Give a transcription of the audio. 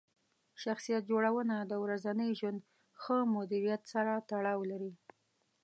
شخصیت جوړونه د ورځني ژوند ښه مدیریت سره تړاو لري.